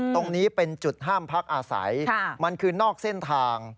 ตรงนี้เป็นจุดห้ามพักอาศัยมันคือนอกเส้นทาง